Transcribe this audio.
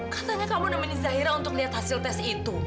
katanya kamu nemenin zahira untuk lihat hasil tes itu